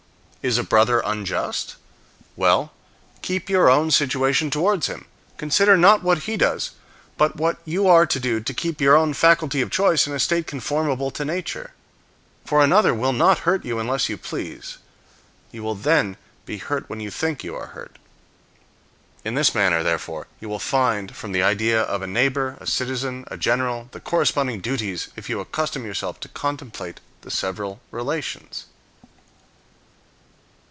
Is a brother unjust? Well, keep your own situation towards him. Consider not what he does, but what you are to do to keep your own faculty of choice in a state conformable to nature. For another will not hurt you unless you please. You will then be hurt when you think you are hurt. In this manner, therefore, you will find, from the idea of a neighbor, a citizen, a general, the corresponding duties if you accustom yourself to contemplate the several relations.